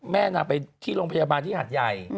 แม่นางไปที่โรงพยาบาลที่หัดใหญ่